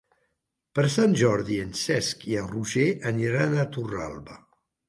Per Sant Jordi en Cesc i en Roger aniran a Torralba.